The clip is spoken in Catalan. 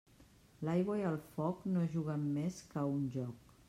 L'aigua i el foc no juguen més que a un joc.